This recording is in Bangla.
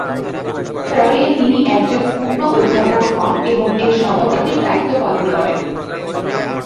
পরে, তিনি একজন পূর্ণ অধ্যাপক হন এবং এর সভাপতির দায়িত্ব পালন করেন।